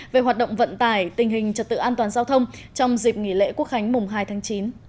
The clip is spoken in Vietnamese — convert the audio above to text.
về hoạt động vận tải tình hình trật tự an toàn giao thông trong dịp nghỉ lễ quốc khánh mùng hai tháng chín